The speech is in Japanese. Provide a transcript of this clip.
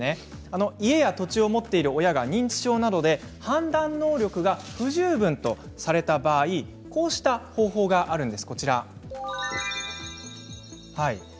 家や土地を持っている親が認知症などで判断能力が不十分とされた場合こうした方法があります。